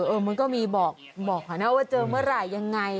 เออมันก็มีบอกบอกแนะนำว่าเจอเมื่อไหร่ยังไง